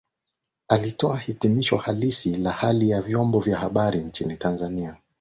alitoa hitimisho halisi la hali ya vyombo vya habari nchini Tanzania